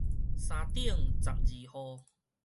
三等十二號